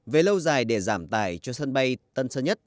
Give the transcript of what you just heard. về lâu dài để giảm tải cho sân bay tân sơn nhất